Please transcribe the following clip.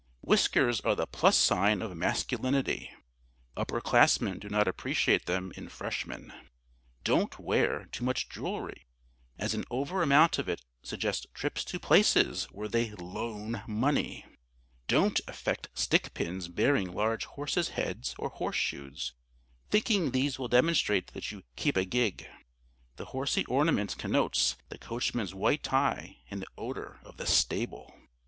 Whiskers are the plus sign of masculinity. Upper classmen do not appreciate them in Freshmen. [Sidenote: ABOUT THOSE SPARKLERS] Don't wear too much jewelry; as an over amount of it suggests trips to places where they loan money. [Sidenote: HORSY ORNAMENTS] Don't affect stick pins bearing large horses' heads or horseshoes, thinking these will demonstrate that you keep a gig. The horsy ornament connotes the coachman's white tie and the odor of the stable.